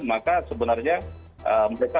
maka sebenarnya mereka